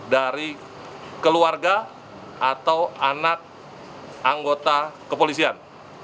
dari keluarga atau anak anggota kepolisian